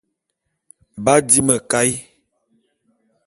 B'adi mekaé.